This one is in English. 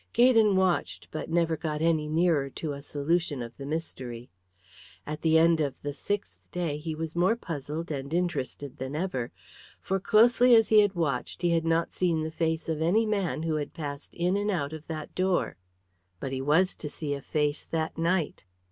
Gaydon watched, but never got any nearer to a solution of the mystery. At the end of the sixth day he was more puzzled and interested than ever, for closely as he had watched he had not seen the face of any man who had passed in and out of that door. But he was to see a face that night.